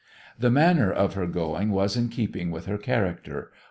The manner of her going was in keeping with her character.